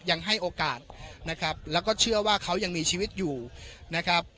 ยังให้โอกาสนะครับแล้วก็เชื่อว่าเขายังมีชีวิตอยู่นะครับ